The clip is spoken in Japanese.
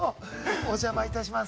お邪魔いたします。